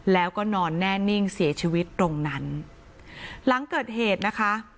แล้วก็นอนแน่นิ่งเสียชีวิตตรงนั้นหลังเกิดเหตุนะคะ